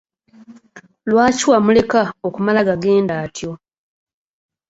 Lwaki wamuleka okumala gagenda atyo?